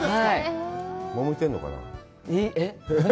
もめてるのかな？